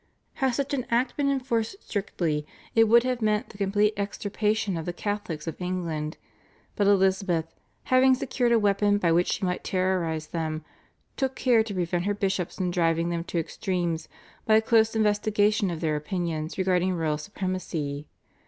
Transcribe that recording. Had such an Act been enforced strictly it would have meant the complete extirpation of the Catholics of England, but Elizabeth, having secured a weapon by which she might terrorise them, took care to prevent her bishops from driving them to extremes by a close investigation of their opinions regarding royal supremacy.